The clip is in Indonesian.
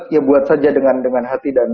ya buat saja dengan hati dan